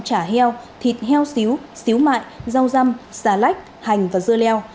chả heo thịt heo xíu xíu mại rau răm xà lách hành và dưa leo